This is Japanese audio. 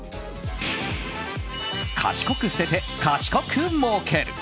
賢く捨てて、賢くもうける！